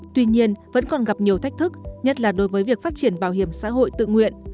tuy nhiên vẫn còn gặp nhiều thách thức nhất là đối với việc phát triển bảo hiểm xã hội tự nguyện